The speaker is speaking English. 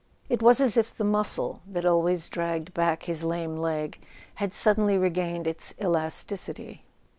It was as if the muscle that always dragged back his lame leg had suddenly regained its elasticity.